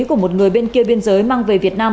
của một người bên kia biên giới mang về việt nam